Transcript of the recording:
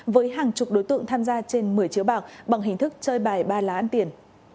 với hàng chục đối tượng tham gia trên một mươi chiếu bạc bằng hình thức chơi bài ba lá ăn tiền